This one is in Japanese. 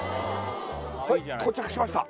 はい到着しました